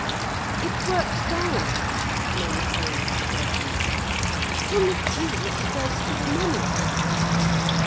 "It works down," maintained the Girton Girl. "From the few it spreads to the many."